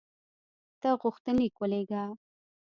ته غوښتنلیک ولېږه.